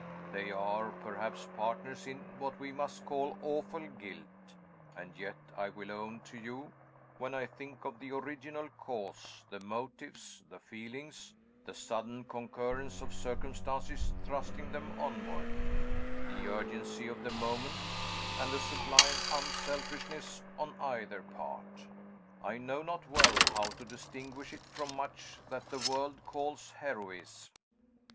They are, perhaps, partners in what we must call awful guilt; and yet, I will own to you, when I think of the original cause, the motives, the feelings, the sudden concurrence of circumstances thrusting them onward, the urgency of the moment, and the sublime unselfishness on either part, I know not well how to distinguish it from much that the world calls heroism.